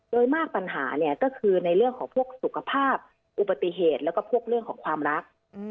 โดยมากปัญหาเนี่ยก็คือในเรื่องของพวกสุขภาพอุบัติเหตุแล้วก็พวกเรื่องของความรัก